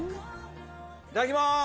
いただきます！